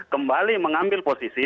kembali mengambil posisi